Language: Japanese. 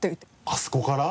あそこから？